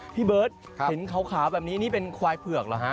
พี่เบิร์ตเห็นขาวแบบนี้นี่เป็นควายเผือกเหรอฮะ